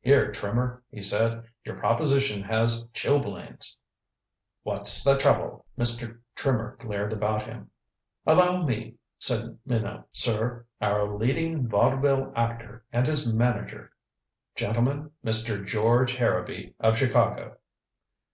"Here, Trimmer," he said, "your proposition has chilblains." "What's the trouble?" Mr. Trimmer glared about him. "Allow me," said Minot. "Sir our leading vaudeville actor and his manager. Gentlemen Mr. George Harrowby, of Chicago!"